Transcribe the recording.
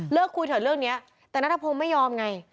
คุยเถอะเรื่องนี้แต่นัทพงศ์ไม่ยอมไง